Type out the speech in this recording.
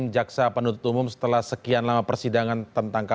cukup ya pak